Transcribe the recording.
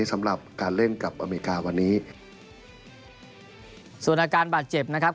สำหรับการเล่นกับอเมริกาวันนี้ส่วนอาการบาดเจ็บนะครับ